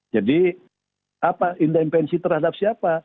jadi independensi terhadap siapa